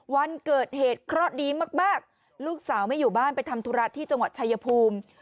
วันเกิดเหตุเคราะห์ดีมากลูกสาวไม่อยู่บ้านไปทำธุระที่จังหวัดชายภูมิ